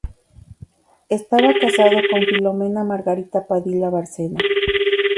Estaba casado con Filomena Margarita Padilla Bárcena.